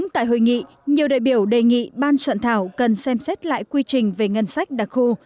tại hội nghị nhiều đại biểu đề nghị ban soạn thảo cần xem xét lại quy trình về ngân sách đặc khu